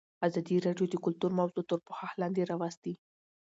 ازادي راډیو د کلتور موضوع تر پوښښ لاندې راوستې.